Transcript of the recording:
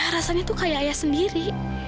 rasanya tuh kayak ayah sendiri